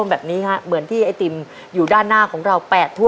แม่เร็วอีกนิดนะแม่